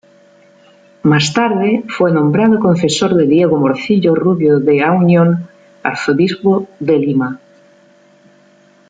Más tarde fue nombrado confesor de Diego Morcillo Rubio de Auñón, arzobispo de Lima.